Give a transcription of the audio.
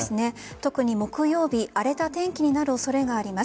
特に木曜日荒れた天気になる恐れがあります。